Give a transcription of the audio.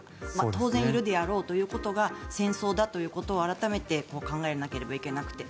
当然いるであろうということが戦争だということを改めて考えなければいけなくて。